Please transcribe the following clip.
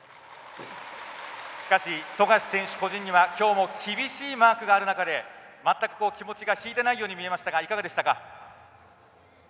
しかし、富樫選手個人にはきょうも厳しいマークがある中で全く気持ちが引いてないように見えましたがいかがでしたか？